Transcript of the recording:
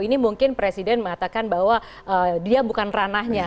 ini mungkin presiden mengatakan bahwa dia bukan ranahnya